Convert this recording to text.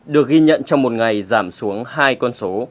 được ghi nhận trong một ngày giảm xuống hai con số